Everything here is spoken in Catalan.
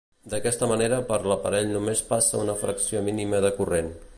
D'aquesta manera per l'aparell només passa una fracció mínima de corrent.